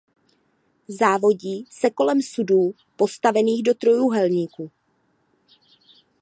Závodí se kolem sudů postavených do trojúhelníku.